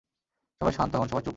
সবাই শান্ত হোন সবাই চুপ!